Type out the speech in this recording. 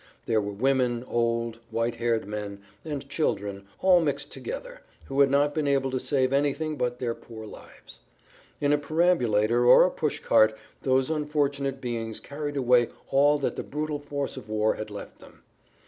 There were women, old, white haired men, and children, all mixed together, who had not been able to save anything but their poor lives. In a perambulator or a push cart those unfortunate beings carried away all that the brutal force of war had left them.